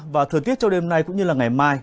và thời tiết cho đêm nay cũng như ngày mai